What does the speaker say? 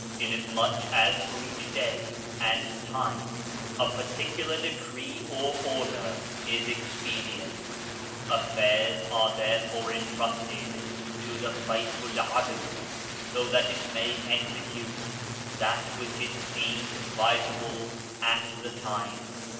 Inasmuch as for each dayand time a particular decree or order is expedient, affairs are therefore entrusted to the Baitu'l 'Adl so that it may execute that which it deems advis able at the time.